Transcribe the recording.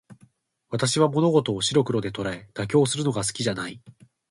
私は物事を白黒で捉え、妥協するのが好きじゃない。